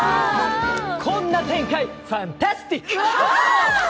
こんな展開、ファンタスティック！